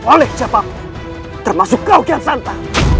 oleh siapapun termasuk kau kian santa